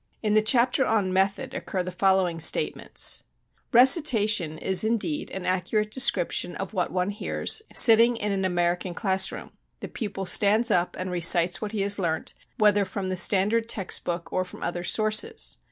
In the chapter on "Method" occur the following statements: "Recitation is indeed an accurate description of what one hears, sitting in an American class room; the pupil stands up and recites what he has learnt, whether from the standard text book or from other sources.